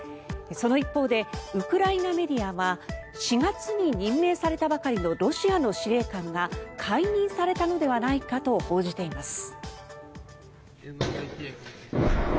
その一方でウクライナメディアは４月に任命されたばかりのロシアの司令官が解任されたのではないかと報じています。